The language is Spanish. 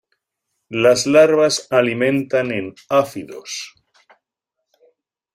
Las larvas alimentan en áfidos.